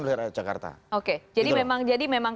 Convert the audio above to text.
oleh rakyat jakarta oke jadi memang